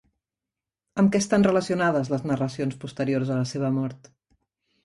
Amb què estan relacionades les narracions posteriors a la seva mort?